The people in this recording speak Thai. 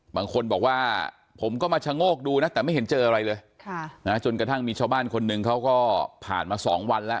บางคนบอกว่าผมก็มาชะโงกดูนะแต่ไม่เห็นเจออะไรเลยจนกระทั่งมีชาวบ้านคนหนึ่งเขาก็ผ่านมา๒วันแล้ว